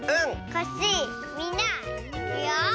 コッシーみんないくよ。